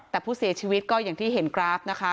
แต่ผู้เสียชีวิตก็อย่างที่เห็นกราฟนะคะ